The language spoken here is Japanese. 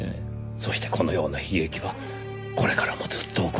そしてこのような悲劇はこれからもずっと起こり続ける。